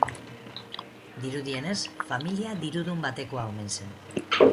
Dirudienez, familia dirudun batekoa omen zen.